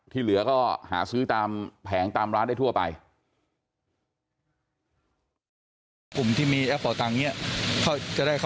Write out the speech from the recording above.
ที่เหลือก็หาซื้อตามแผงตามร้านได้ทั่วไป